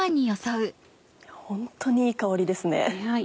ホントにいい香りですね。